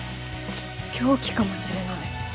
凶器かもしれない。